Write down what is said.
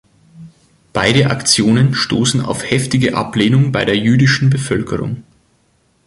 Beide Aktionen stoßen auf heftige Ablehnung bei der jüdischen Bevölkerung.